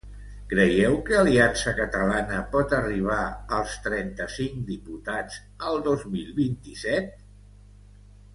Creieu que Aliança Catalana pot arribar als trenta-cinc diputats el dos mil vint-i-set?